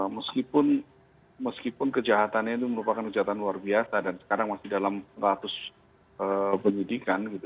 meskipun kejahatannya itu merupakan kejahatan luar biasa dan sekarang masih dalam ratus penyidikan gitu